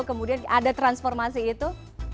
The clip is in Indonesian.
kemudian ada transformasi itu